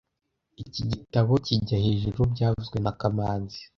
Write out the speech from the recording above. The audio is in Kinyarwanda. Iki gitabo kijya hejuru byavuzwe na kamanzi